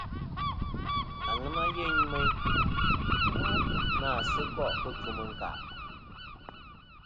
Aŋena yeyn mɨ na sɨ gòˈ kɨ ɨkfɨm ɨ ɨ̀nkàˈ.